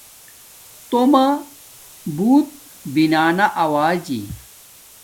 تومہ بوت بنانا آوجی